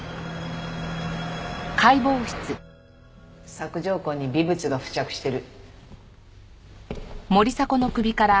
索条痕に微物が付着してる。